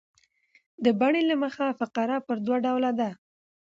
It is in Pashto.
د بڼي له مخه فقره پر دوه ډوله ده.